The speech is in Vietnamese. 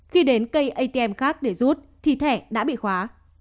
khi đến cây atm khác để rút thì thẻ đã bị khóa